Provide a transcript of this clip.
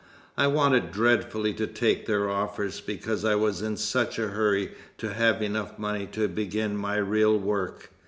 I wanted dreadfully to take their offers, because I was in such a hurry to have enough money to begin my real work.